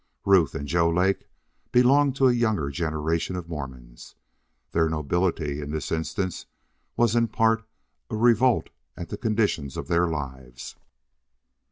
Ruth and Joe Lake belonged to a younger generation of Mormons. Their nobility in this instance was in part a revolt at the conditions of their lives.